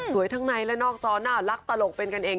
ทั้งในและนอกจอน่ารักตลกเป็นกันเอง